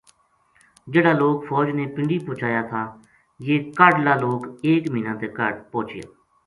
جہیڑا لوک فوج نے پنڈی پوہچایا تھا یہ کاہڈلا لوک ایک مہینہ تے کاہڈ پوہچیا